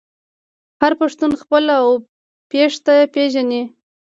هر پښتون خپل اوه پيښته پیژني.